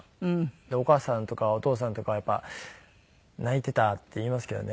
でお母さんとかお父さんとか泣いてたっていいますけどね。